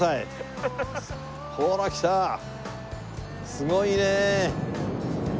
すごいね！